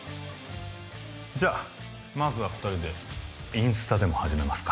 じゃ、まずは２人でインスタでも始めますか。